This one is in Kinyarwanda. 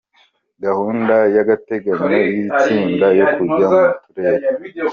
Gahunda y’agateganyo y’itsinda yo kujya mu turere.